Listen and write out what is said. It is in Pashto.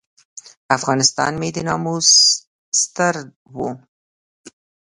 افغانستان مې د ناموس ستر و.